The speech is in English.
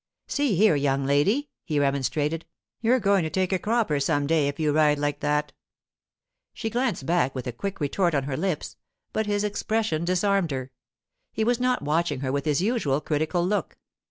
'See here, young lady,' he remonstrated, 'you're going to take a cropper some day if you ride like that.' She glanced back with a quick retort on her lips, but his expression disarmed her. He was not watching her with his usual critical look.